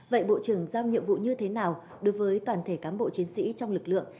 vậy bộ trưởng giao nhiệm vụ như thế nào đối với toàn thể cán bộ chiến sĩ trong lực lượng